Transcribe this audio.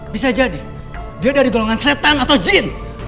bisa jadi dia dari golongan setan atau jin